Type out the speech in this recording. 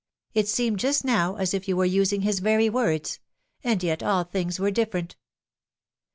It seemed just now as if you were using his very words ; and yet all things were different."